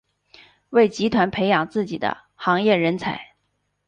为集团培养自己的行业人才。